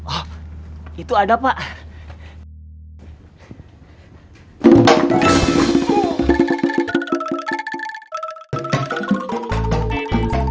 oh itu ada pak